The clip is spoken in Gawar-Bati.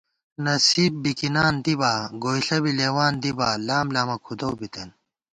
نصیب بِکِنان دِبا گوئیݪہ بی لېوان دِبا ، لام لامہ کھُدَؤ بِتېن